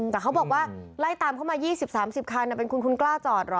แต่เขาบอกว่าไล่ตามเข้ามา๒๐๓๐คันเป็นคุณคุณกล้าจอดเหรอ